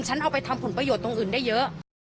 ฉันเอาไปทำผลประโยชน์ตรงอื่นได้เยอะ